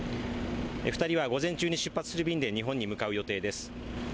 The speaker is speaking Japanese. ２人は午前中に出発する便で日本に向かう予定です。